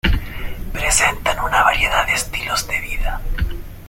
Presentan una variedad de estilos de vida.